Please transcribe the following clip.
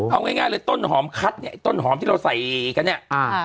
เอาง่ายเลยต้นหอมคัทต้นหอมที่เราใส่กันเนี่ย